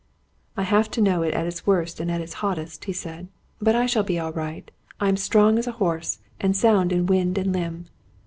"I have to know it at its worst and at its hottest," he said. "But I shall be all right. I'm strong as a horse, and sound in wind and limb."